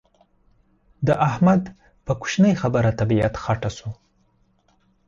د احمد په کوشنۍ خبره طبيعت خټه شو.